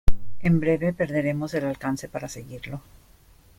en breve perderemos el alcance para seguirlo.